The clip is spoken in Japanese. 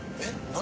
何？